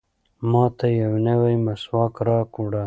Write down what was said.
ماته یو نوی مسواک راوړه.